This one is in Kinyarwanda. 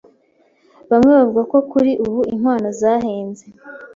Bamwe bavuga ko kuri ubu inkwano zahenze